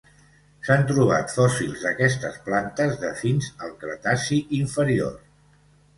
S'han trobat fòssils d'aquestes plantes de fins al Cretaci inferior.